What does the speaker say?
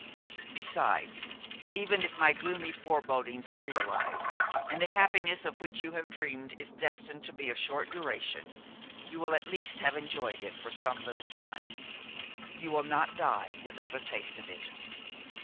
Besides, even if my gloomy forebodings are realized and the happiness of which you have dreamed is destined to be of short duration, you will at least have enjoyed it for some little time, you will not die without a taste of it.